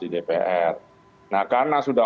di dpr nah karena sudah